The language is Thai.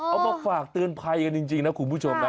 เอามาฝากเตือนภัยกันจริงนะคุณผู้ชมนะ